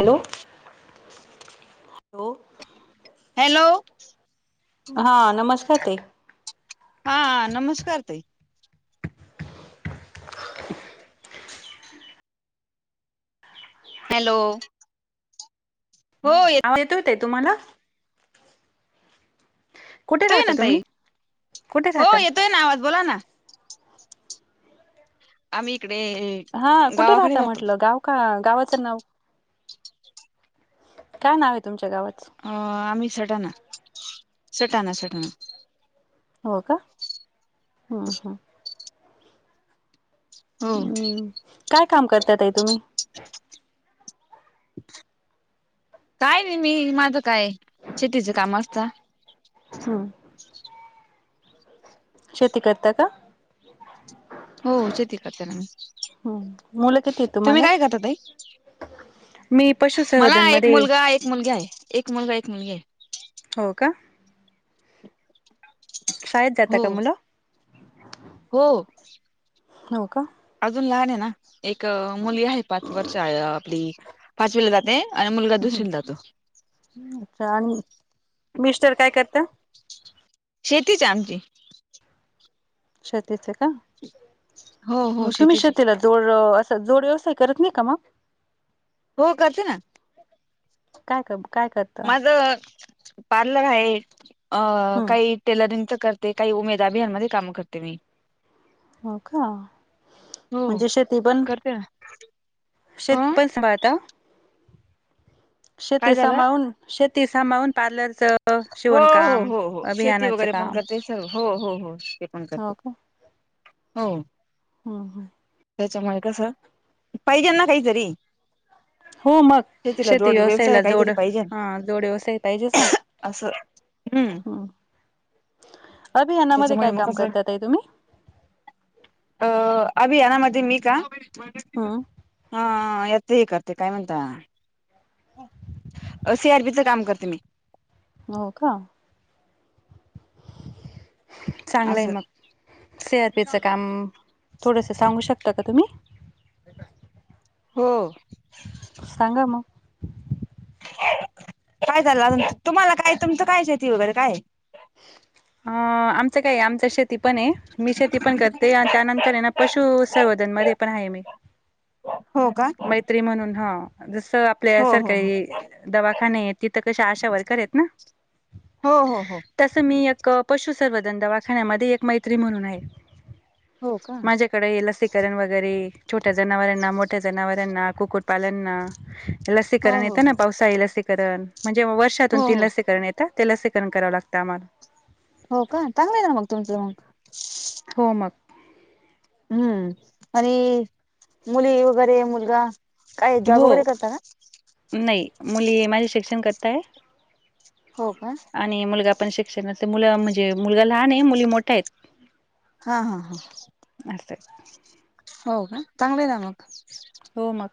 Hello, hello, हा नमस्कार ताई. हा नमस्कार ताई. हॅलो, हो. येत आव येतोय ताई. तुम्हाला? कुठे येतोय राहता ना तुम्ही ताई. कुठे हो राहता? येतोय ना आवाज बोला ना. आम्ही इकडे हा कुठे गावाकडे राहता राहतो म्हटलं, गाव का गावाचं नाव? का नाव आहे तुमच्या गावाच? आम्ही सडना, सटाना सटाना. हो का, ह ह, [inaudible] हं, काय काम करतात ताई तुम्ही? काय नाही, मी माझं काय शेतीचं काम असतात. हं शेती करता का? हो शेती करते ना मी, हम्म मुलं किती आहेत तुम्ही तुम्हाला? काय करता ताई? मी ''मला पशुसंवर्धन एक मध्ये मुलगा, एक मुलगी आहे, एक मुलगा एक मुलगी आहे. '' हो का, शाळेत जातात हो का मुल? हो, हो का, ''अजून लहान आहे ना, एक मुली आहे, पाच वर्ष आपली पाचवीला जाते. '' आणि मुलगा दुसरीला जातो. आणि मिस्टर काय करता? शेतीच आहे आमची, शेतीचे का, हो हो मग तुम्ही शेतीची शेतीला- जोड, असं जोड व्यवसाय करत नाही का मग? हो, करते ना, काय कम काय कर- माझ, पार्लर आहे अ हम्म काही- ''टेलरिंगच करते, काही उमेदअभियान मध्ये काम करते मी. '' हो का, हो म्हणजे शेती पण- करते ना हं शेतपण सांभाळता? शेती काय झालं सांभाळून, शेती सांभाळून, पार्लरचं ''हो, हो, शिवणकाम हो, हो, शेती अभियानाचं वगैरे पण काम करते सर्व. हो, हो, हो, ते पण हो करते. '' हो. हं, व्हय त्याच्यामुळे कस, पाहिजेलं ना काहीतरी, ''हो मग, शेतीला शेती जोड व्यवसाय व्यवसायाला जोड, काहीतरी पाहिजे हं जोड व्यवसाय पाहिजेच ना. '' असं हं. अभियानामध्ये त्याच्यामुळे काय मग काम कसं करता ताई तुम्ही? अ अभियानामध्ये मी का- हं हां, येते का ते काय म्हणता- अ सी, आर, बी, च काम करते मी. हो का, चांगलंय असं मग, सी. आर. पी. चं काम थोडस सांगू शकता का तुम्ही? हो. सांगा मग, काय चाललं अजून, तुम्हाला काय तुमचं काय शेती वगैरे काय? अ, आमचं काय आमचं शेत- शेती पण, आहे मी शेती पण करते, आणि त्यानंतर आहे ना पशु संवर्धन मध्ये पण आहे मी. हो का, मैत्री म्हणून हं, जसं आपल्या हो हो हो सरकारी दवाखाने आहेत तिथे कसे आशा वर्कर आहेत ना, हो, हो, हो, ''तसं मी एक, पशुसर्वधन दवाखान्यामध्ये एक मैत्री म्हणून आहे. '' हो का माझ्याकडे ये लसीकरण व- वगैरे छोट्या जनावरांना, मोठ्या जनावरांना, कुकुटपालांना हो लसीकरण हो येतं ना, हो पावसाळी लसीकरण म्हणजे वर्षातून हो तीन हो लसीकरण येत- ते लसीकरण कराव लागंत आम्हाला. हो का? चांगलंय ना मग तुमचं मग. हो मग. हम्म आणि मुली वगैरे, मुलगा काय जॉब हो वगैरे करता का? नाही, मुली हे माझे शिक्षण करताय. हो का? आणि मुलगा पण शिक्षण मुलं म्हणजे मुलगा लहान आहे, मुली मोठ्या आहेत. हा हा हा. अस. होव का? चांगलंय न मग. हो मग.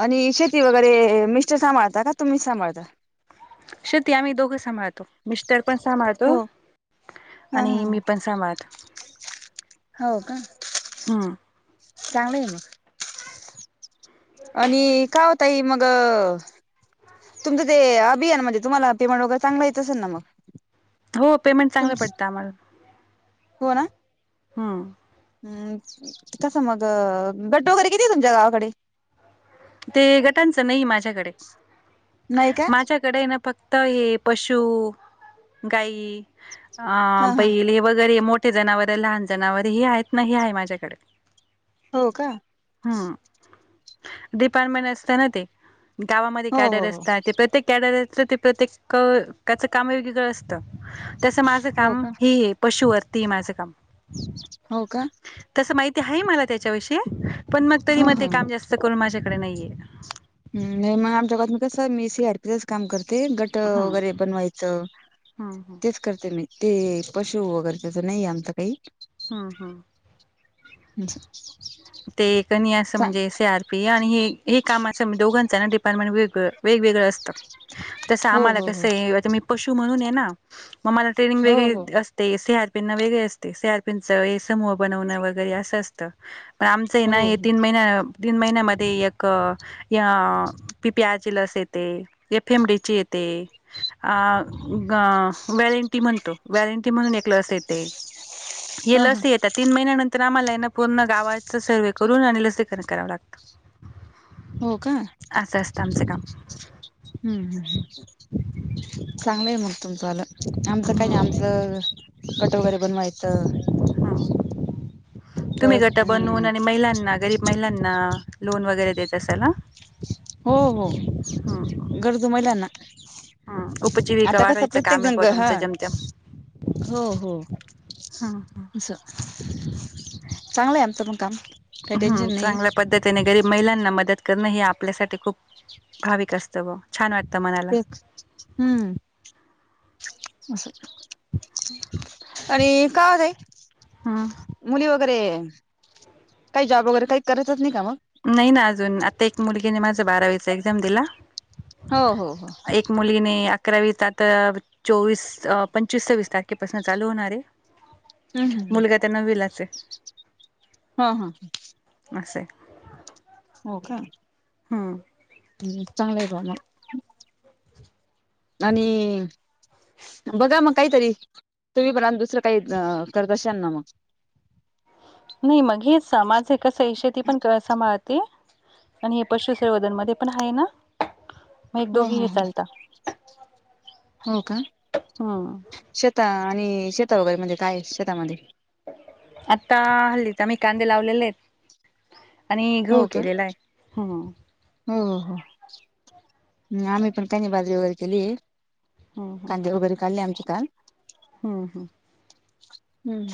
आणि शेती वगैरे, मिस्टर सांभाळता? का तुम्ही सांभाळता? शेती आम्ही दोघं सांभळतो. मिस्टर पण सांभाळतो हो हा हा आणि मी पण सांभळते. हो का? चांगलंय मग. आणि का हो ताई मग तुमचं ते अभियानमध्ये तुम्हाला पेमंट वगैरे, चांगलं येत असेल ना मग? हो पेमेंट तुम चांगले पडतं आम्हाला. हो ना? हा. हम्म, कसं मग गट वगैरे किती आहे तुमच्या गावाकडे? ते गटांचं नाही माझ्याकडे, नाही का माझ्या कडे ना फक्त हे पशु, गाई अ हा हा बैले हे वगैरे मोठे जनावर, लहान जनावर हे आहेत ना, हे आहे माझ्याकडे. हो का? हम्म. डिपार्टमेंट असत ना ते. गावामध्ये हो कॅडर हो असता. ते प्रत्येक [unintelligible] ते प्रत्येकच त्याच काम वेगळं वेगळं असत, तसं माझं हो हो काम का ही ए. पशुवर्तीये माझं काम. हो का? तस माहिती आहे मला त्याच्याविषयी, पण म तरी ह मग ते हा. काम जास्त करून माझ्याकडे नाहीये. नाही मग, आमच्या गावात कस मी सी आर पीच काम करते गट गट हं वगैरे बनवायचं हं हं ते करते मी. ते पशु वगैर तेच नाही आमच काही. हं हं ह [unintelligible] ते कणी असं म्हणजे सी आर पी आणि हे हे काम असं दोघांचं ना डिपार्टमेंट वेगळ वेग वेगळ असं त. तस हो आम्हाला हो कस हो आहे मी पशु म्हणून ये ना, मग मला ट्रेनिंग हो हो वेगळी हो अस ते सी आर पी ना वेगळी असते, सी आर पी नच हे समूह बनवणं वगैरे असं असतं. म आमचंही ना, हो हो तीन महिन्या तीन महिन्यामध्ये एक य पी पी [unintelligible] लस येते, [unintelligible] एम रिची येते. अ वॅरंटी म्हणतो, वॅरंटी म्हणून एक लस येते. हे हा हा. लस येतात. तीन महिन्यानंत आम्हाला एना पूण्णं गावाचं सर्वे करून आणि लसीकरण करावं लागतं. हो का? आसं असतं आमचं काम. हम्-हम्-हम् चांगलंय मग तुमचं आलं, आमचं काय हम्म. नई आमचं गट वगैरे बनवाचं. तुम्ही परत गट अम बनून आणि महिलांना गरीब महिलांना लोन वगैरे देत असाल ना? हो-हो हम्म गरजू महिलांना. हम्म उपजीविका आता कसं वाढवायचं प्रत्येक काम आहे जन प ब हां तुमचं जमजम हो-हो हम्म असं, चांगलाय आमचं पण काम. काही हम्, टेन्शन नाही चांगल्या पद्धत त्याने गरीब महिलांना मदत करणं हे आपल्यासाठी खूप भाविक असतं ब्वा, छान वाटतं मनाला. हम्, असं आणि काओदय हम्म मुली वगैरे, काही जॉब वगैरे काही करतच नही का म? नई ना आजून, आता एक मुलगीने माझा बारावीचा एक्झाम दिला. हो-हो-हो एक मुलीने अकरावीचा त चोवीस, पंचवीस, सवीस तारखेपासून चालू होणारे. हम्म हम्म मुलगा त नव्वीलाचे. हां-हां, हं असंय हो का? हम्म अम्, चांगलाय ब्वा म. आणि, बघा म काहीतरी तुमी पणान दुसरं काहीत् आं करत अश्यान ना म. नई मंग हे सा, माजे कसए शेती पण क सामाळते. आणिए पशुसवदन मध्ये पण हाए ना. म हो एक-दोघी हो हे हो चालता, हो का हम्म. शेता आणि शेता वगेमदे काय ए शेता मंदे. आत्ता हल्लीचा मी कांदे लावलेलेत. आणि घऊ केलेलाय, हम्म. ओ, हो अम्, आमी पण कनी बाजरी वगरे केली. हम्म कांदे वगैरे काढले आमचे काल. हम्-हम् अम्,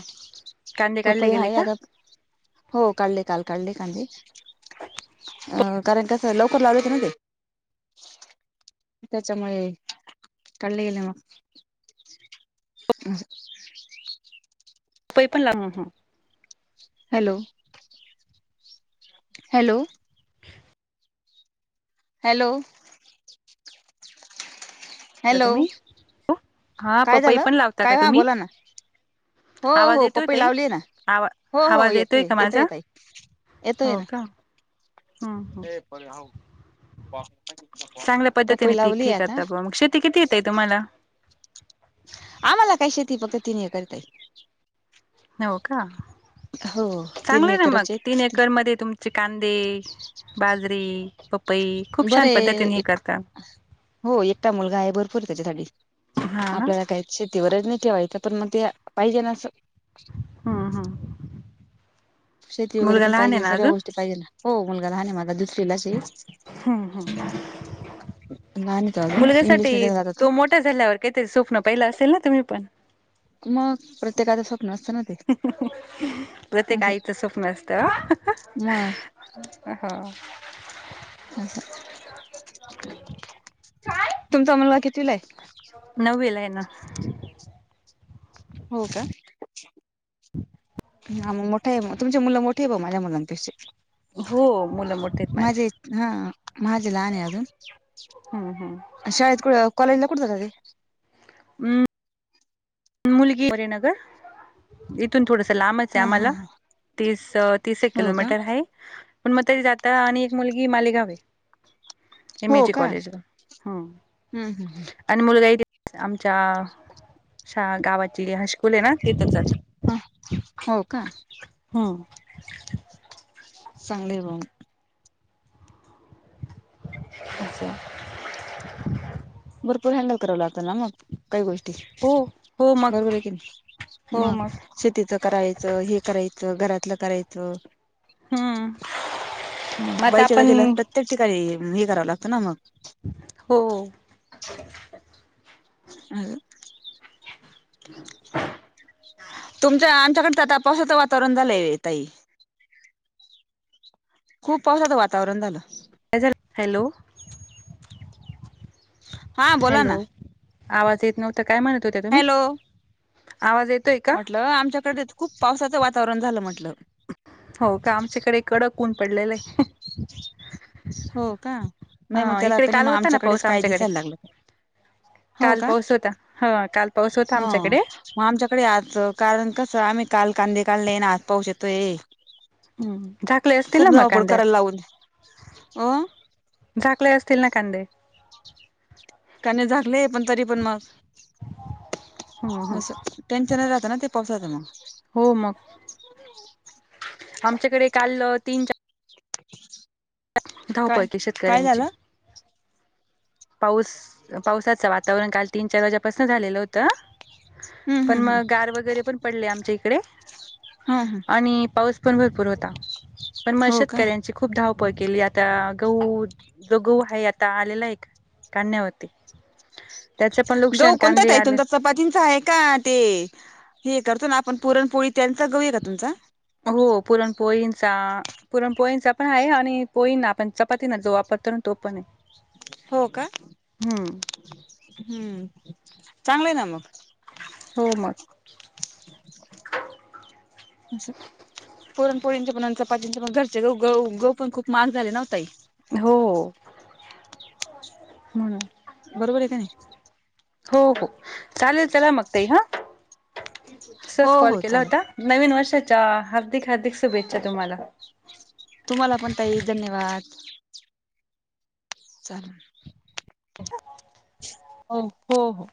कांदे काढले गेले तपहाय का आता हो काड्ले काल काड्ले कांदे. अं कारण कसं लवकर लावलेते ना ते. त्याच्यामुळे काड्ले गेले मग. [unintelligible] [inaudible] ते पणला अम् हम् हॅलो! हॅलो! हॅलो! हॅलो! तुम्ही हा कायं पपई झालं पण लावता का कायं हं तुम्ही बोलां नां. हो आवाज हो येतोय पप्पई ताई लावली आहे नां आवा हो हो आवाज येतोय का येतो माझा येतयं ताई. येतोय हो नां. का हम्म हम्म पपई लावली आंता. ते किती येतं तुम्हांला. आम्हांला कायं शेती फक्तं तिनं एकर आहे ताई. हो कां हो तीन चांगलं नां मगं एकरच आहे तीनं एकर मध्यें तुम्हीं. कांदे, बाजरी. पपई खूप बरं छान हे पद्धतीने एक. करतात हो एकटां मुलंगा आहे भरंपूर त्यांच्यासाठी हा ना आपल्यांला कायं. शेतीवरचं नाहीं ठेवायचं पणं मंग ते पाहिजे नां असं. हां हां. शेती वगैरें पणं पाहिजे सर्वं गोष्टी पाहिजे हो मुलंगां लहांन आहे माझां दुसरीला शे. लहान आहे तो अजून इंग्लिश मुलग्यांसाठी मिडियम जात होता तो मोठं. मोठं झाल्यांवर कांहीं तरी स्वप्नं पहिले असेल नां तुम्हीं पणं? मंग प्रत्येकाचं स्वप्नं असतं नां. प्रत्येक आईचं स्वप्नं असतं. मग हो. तुमचां मुलंगा कितीवीलां आहे? नववी आहे नां. हो कां? हां मंग मोठे आहे मंग तुमचे मुलं मोठे आहे बरं माझ्यां मुलांचे पेक्षा. हो मुलं मोठीतं आहे माझे. हां माझे लहांन आहे अजूंन हम्म हम्म शाळेंत क कॉलेजला कुठं जातांत ते. हम्मं मुलंगी पणं आहे नं गं. इथूंन थोडसं लांबच आहे हा हा आम्हांला तीस तीस एक हा हो का किलोमीटर आहे. पणं मंग तरी जांता आणि एक मुलंगी मालेगांव आहे. हो एमएज का कॉलेज हम्मं. हम्म हम्म आणि मुलंगा इ आमच्यां. गावांची हां स्कूंल आहे नां तिथं जातो ह हो का हम्मं. चांगली बुं आं मंग. अच्छा, भरंपूर हँडल करावं लागतं नां मगं. कांहीं गोष्टी हो हो मग बरोबर आहे की नाहीं हो मंग. मग शेतीचं करायचं हे करायचं घरांतलं करायचं. हम्म मग मंग आता बाईच्यां आपण जातीला प्रत्येक ठिकांणी हे करावं लागतं नां मगं. हो. अं. [unintelligible] तुमच्यां आमच्यांकडं आंता पावसाचं वातांवरण झालंय ताई. खूंप पावसाचं वातांवरण झालं. हॅलो! हा बोला ना हॅलो, आवाज येत नव्हता काय म्हणत होत्या तुम्ही? हॅलो आवाज येतोय का म्हटलं आमच्याकडे खूप पावसाचं वातावरण झालं म्हटलं. हो का आमच्याकडे कडक ऊन पडलेलं आहे. हो का नाही मग हा त्याला इकडे तरी काल म होता ना आमच्याकडेच पाऊस काय आमच्याकडे दिसायला लागलं काय? काल पाऊस होता ह काल पाऊस होता ह आमच्याकडे मग आमच्याकडे आज कारण कसं आम्ही काल कांदे काढले ना, आज पाऊस येतोय. झाकले असतील खूप ना मग धावपळ कांद्यात करायला लावून, अ झाकले असतील ना, कांदे कांदे झाकले पण तरी पण म असं टेन्शन नाही राहत ना, ते पाऊसाच म हो मग आमच्याकडे काल तीन, चार [inaudible] त्यात काय धावपळकी काय शेतकऱ्यांची झालं पाऊस पावसाचं वातावरण काल तीन, चार वाजल्यापासन झालेलं होत. हम्म अं----पण हम्म मग गार वगैरे पण पडले आमच्या इकडे हम्म हम्म आणि पाऊस पण भरपूर होता. पण मग हो का शेतकऱ्यांची खूप धाव पळ केली आता गहू जो गहू आहे आता आलेला हाइत काय नाही होत ती, गहु कोणता ताई तुमचा चपातींचा आहे का? ते हे करतो ना, आपण पुरणपोळी त्यांचा गहू आहे का तुमचा? हो पुरणपोळींचा पुरण पोळींचा पण आहे आणि पोईंना आपण चपातीना ना जो वापरतो ना तो पण आहे. हो का? हम्म हू चांगलं आहे ना मग, हो मग, [inaudible] पुरणपोळींचे पणं आणि चपातींचे पण घरचे गहू गहू पण खूप महाग झाले ना ओ ताई हो हम् बरोबर आहे का नाही. हो हो चालेल चला मग ताई हा, हो सहज कॉल हो केला चालेल होता. नवीन वर्षाच्या हार्दिक- हार्दिक शुभेच्छा! तुम्हाला तुम्हाला पण ताई धन्यवाद! चालल, [inaudible] हो हो हो